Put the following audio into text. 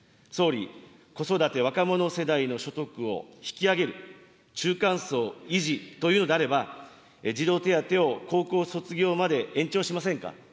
総理、子育て・若者世代の所得を引き上げる、中間層維持というのであれば、児童手当を高校卒業まで延長しませんか。